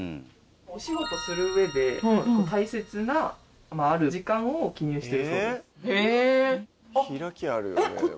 お仕事する上で大切なある時間を記入してるそうです。